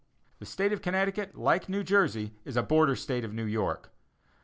The State of Connecticut, like New Jersey, is a border State of New York.